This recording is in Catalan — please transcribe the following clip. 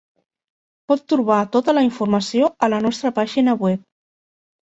Pot trobar tota la informació a la nostra pàgina web.